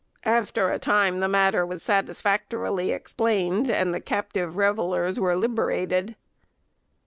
After a time the matter was satisfactorily explained, and the captive revellers were liberated.